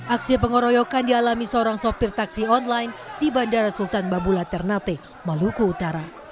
aksi pengeroyokan dialami seorang sopir taksi online di bandara sultan babula ternate maluku utara